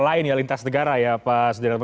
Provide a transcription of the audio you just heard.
lain ya lintas negara ya pak sudirmanto